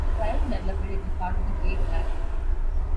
Prior to development, it was part of the Great Black Swamp.